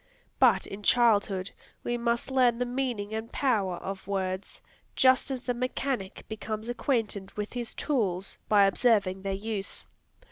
But in childhood, we must learn the meaning and power of words, just as the mechanic becomes acquainted with his tools, by observing their use.